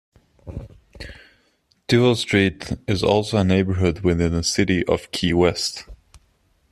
Duval Street is also a neighborhood within the City of Key West.